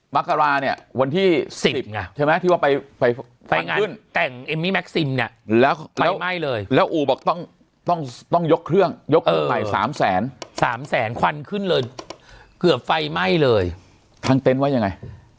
มกราเนี่ยวันที่สิบไงใช่ไหมที่ว่าไปไปงานขึ้นแต่งเอมมี่แม็กซิมเนี่ยแล้วไฟไหม้เลยแล้วอู่บอกต้องต้องยกเครื่องยกเครื่องใหม่สามแสนสามแสนควันขึ้นเลยเกือบไฟไหม้เลยทางเต็นต์ว่ายังไง